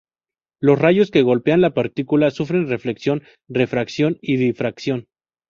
Los rayos que golpean la partícula sufren reflexión, refracción y difracción.